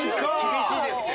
厳しいですって。